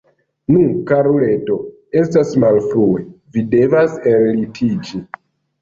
Nu, karuleto, estas malfrue, vi devas ellitiĝi!